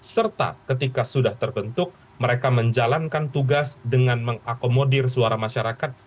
serta ketika sudah terbentuk mereka menjalankan tugas dengan mengakomodir suara masyarakat